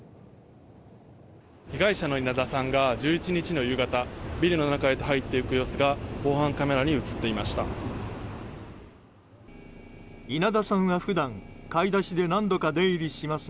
被害者の稲田さんが１１日の夕方ビルの中へと入っていく様子が防犯カメラに映っていました。